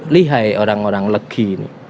lihai orang orang legi